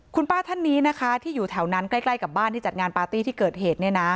คุณป้าท่านนี้นะคะที่อยู่แถวนั้นใกล้กับบ้านที่จัดงานปาร์ตี้ที่เกิดเหตุ